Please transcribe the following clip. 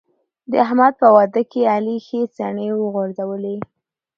د احمد په واده کې علي ښې څڼې وغورځولې.